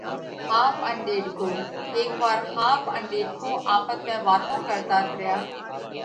ۿاپ ان ڏيڏڪو:هيڪ وار ۿاپ ان ڏيڏڪو آپت ۾ واتون ڪرتات ريا۔